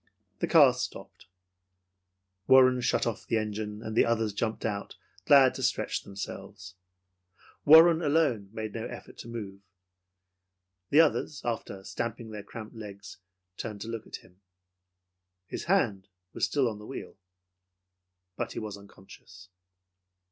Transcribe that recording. The car stopped. Warren shut off the engine, and the others jumped out, glad to stretch themselves. Warren alone made no effort to move. The others after stamping their cramped legs, turned to look at him. His hand was still on the wheel, but he was unconscious.